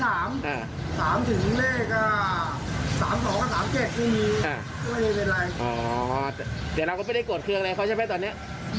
เดี๋ยวเราก็ไม่ได้โกรธเครื่องอะไรเขาใช่ไหมตอนนี้